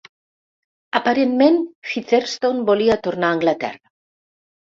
Aparentment, Featherston volia tornar a Anglaterra.